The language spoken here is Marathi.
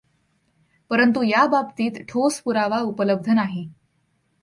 परंतु या बाबतीत ठोस पुरावा उपलब्ध नाही.